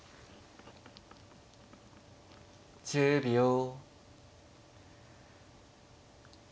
１０秒。